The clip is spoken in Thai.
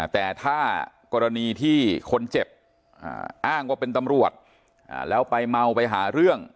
แต่ถ้ากรณีที่คนเจ็บอ้างว่าเป็นตำรวจแล้วไปเมาไปหาเรื่อง